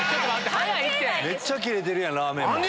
めっちゃキレてるやんラーメンマン。